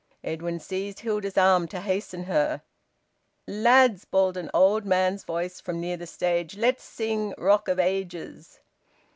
Edwin seized Hilda's arm to hasten her. "Lads," bawled an old man's voice from near the stage, "Let's sing `Rock of Ages.'"